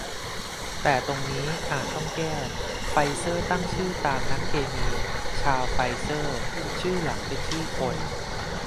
แต่ตรงนี้อาจต้องแก้ "ไฟเซอร์ตั้งชื่อตาม นักเคมี ชารล์ ไฟเซอร์" ชื่อหลังเป็นชื่อคน